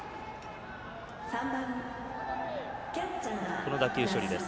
この打球処理です。